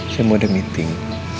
saya mau ada meeting